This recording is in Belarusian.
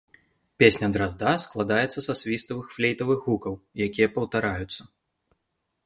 Песня дразда складаецца з свіставых флейтавых гукаў, якія паўтараюцца.